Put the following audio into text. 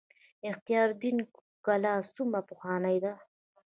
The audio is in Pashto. اختیار الدین کلا څومره پخوانۍ ده؟